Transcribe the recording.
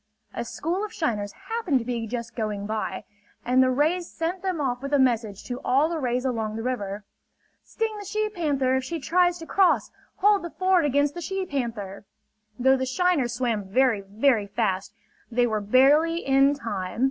A school of shiners happened to be just going by; and the rays sent them off with a message to all the rays along the river: "Sting the she panther if she tries to cross! Hold the ford against the she panther!" Though the shiners swam very, very fast, they were barely in time.